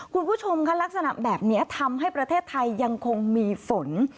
คุณผู้ชมค่ะลักษณะแบบนี้ทำให้ประเทศไทยยังคงมีฝน